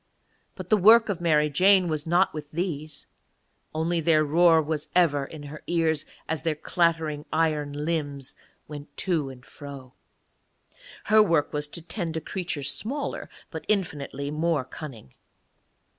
But the work of Mary Jane was not with these, only their roar was ever in her ears as their clattering iron limbs went to and fro. Her work was to tend a creature smaller, but infinitely more cunning.